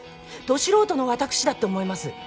ど素人の私だって思います。